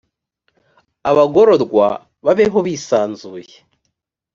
abagororwa babeho bisanzuye